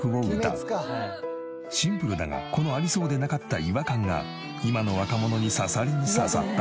シンプルだがこのありそうでなかった違和感が今の若者に刺さりに刺さった。